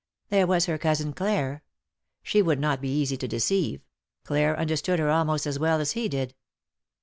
There was her cousin Clare— she would not be easy to deceive; Clare understood her almost as well as he did.